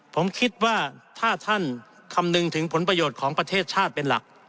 ผมคิดว่าถ้าท่านคำนึงถึงผลประโยชน์ของประเทศชาติเป็นหลัก